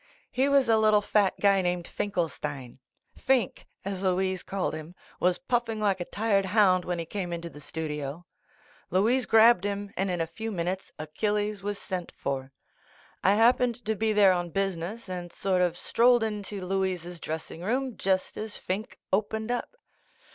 He was a little fat guy named Finkelstein. "Finke," as Louise called him, was puffing like a tired hound when he came into the studio. Louise grabbed him and in a few minutes, Achilles was sent for. I happened to be there on business and sort of strolled into Louise's dressing room just as Finke opened up.